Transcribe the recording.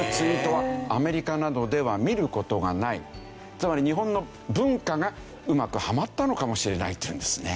つまり日本の文化がうまくはまったのかもしれないというんですね。